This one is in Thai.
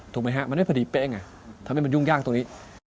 ถูกไหมฮะมันไม่พอดีเป๊ะไงทำให้มันยุ่งยากตรงนี้